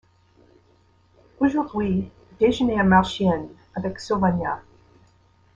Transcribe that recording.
Aujourd’hui, déjeuner à Marchiennes, avec Sauvagnat...